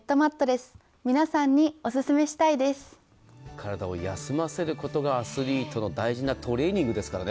体を休ませることがアスリートの大事なトレーニングですからね。